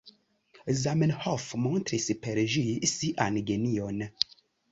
Zamenhof montris per ĝi sian genion.